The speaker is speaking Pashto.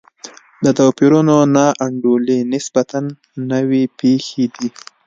د توپیرونو نا انډولي نسبتا نوې پېښې دي.